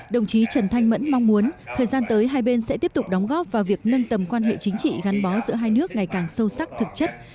đồng chí trần thanh mẫn mong muốn thời gian tới hai bên sẽ tiếp tục đóng góp vào việc nâng tầm quan hệ chính trị gắn bó giữa hai nước ngày càng sâu sắc thực chất